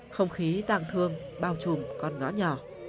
không khí tàng thương bao trùm con ngõ nhỏ